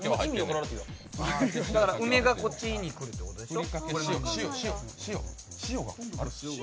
だからうめがこっちにくるってことでしょ？